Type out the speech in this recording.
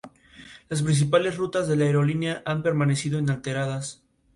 La Asamblea es el órgano decisorio supremo de la Organización Mundial de la Salud.